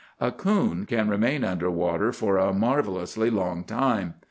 A coon can remain under water for a marvelously long time.